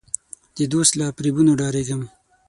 د دوست له فریبونو ډارېږم.